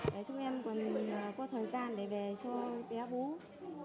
để chúng em có thời gian để về cho bé bú